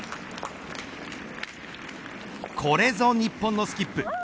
これぞ日本のスキップ。